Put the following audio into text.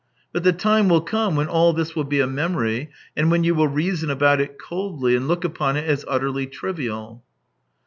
But the time will come when all this will be a memory, and when you will reason about it coldly and look upon it as utterly trivial.